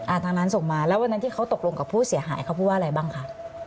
ทางนั้นส่งมาแล้ววันนั้นที่เขาตกลงกับผู้เสียหายเขาพูดว่าอะไรบ้างคะ